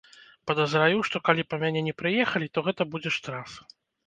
Падазраю, што калі па мяне не прыехалі, то гэта будзе штраф.